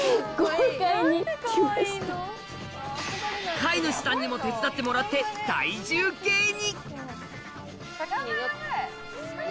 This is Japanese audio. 飼い主さんにも手伝ってもらって体重計に！